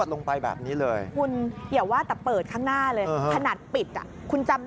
ใช่แล้วก็พลิกมา